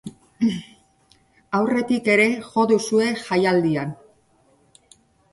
Aurretik ere jo duzue jaialdian.